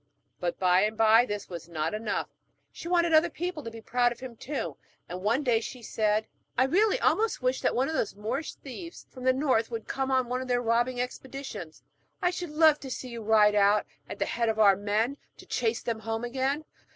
But, by and by, this was not enough; she wanted other people to be proud of him too, and one day she said: 'I really almost wish that those Moorish thieves from the north would come on one of their robbing expeditions. I should love so to see you ride out at the head of our men, to chase them home again.